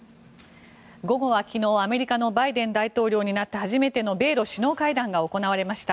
午後は昨日、アメリカのバイデン大統領になって初めての米ロ首脳会談が行われました。